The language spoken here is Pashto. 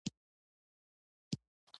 هغې سر وښوراوه او موسکۍ شول، په خندا شوه.